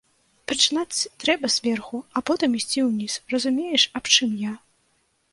Пачынаць трэба зверху, а потым ісці ўніз, разумееш, аб чым я?